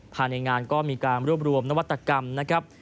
ภายในงานก็มีการรวบรวมนวัตกรรมนะครับ